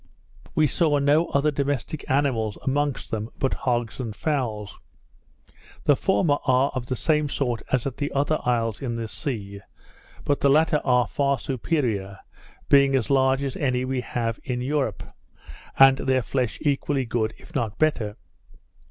We saw no other domestic animals amongst them but hogs and fowls. The former are of the same sort as at the other isles in this sea; but the latter are far superior, being as large as any we have in Europe, and their flesh equally good, if not better.